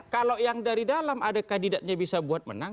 kalau yang dari dalam ada kandidatnya bisa buat menang